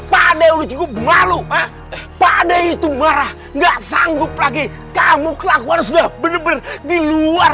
pada ujung malu pada itu marah nggak sanggup lagi kamu kelakuan sudah bener bener di luar